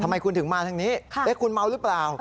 ทำไมคุณถึงมาทางนี้คุณเมาหรือเปล่า